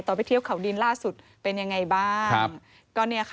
ตอนไปทรียมเขาดินล่าสุดเป็นอย่างไรบ้าง